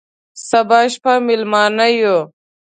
سبا شپه مېلمانه یو،